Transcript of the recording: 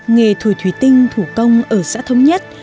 nghề thổi thủy tinh thủ công ở xã thống nhất